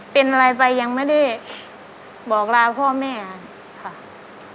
เป็นอะไรไปยังไม่ได้บอกลาพ่อแม่ค่ะ